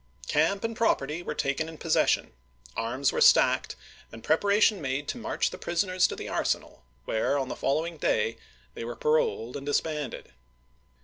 Camp and property were taken in possession ; arms were stacked, and preparation made to march the prisoners to the arsenal, where on the following day they were paroled and disbanded.